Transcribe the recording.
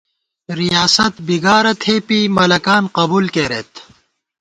ریاست بیگارَہ تھېپی ، ملَکان قبُول کېرېت